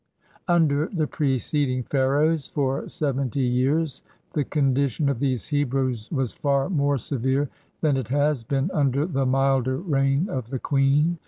Under the preceding Pharaohs, for seventy years, the condition of these Hebrews was far more severe than it has been under the milder reign of the queen.